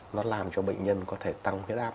nó làm cho bệnh nhân có thể tăng huyết áp